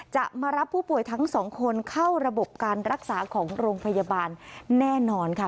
จะมารับผู้ป่วยทั้งสองคนเข้าระบบการรักษาของโรงพยาบาลแน่นอนค่ะ